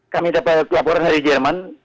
kami dapat laporan hari jawa barat